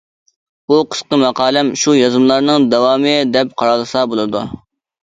بۇ قىسقا ماقالەم شۇ يازمىلارنىڭ داۋامى دەپ قارالسا بولىدۇ.